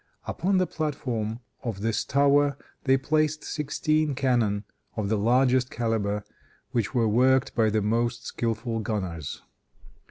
Upon the platform of this tower they placed sixteen cannon, of the largest caliber, which were worked by the most skillful gunners.